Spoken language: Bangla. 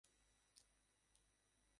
ওখানে সেও ছিল?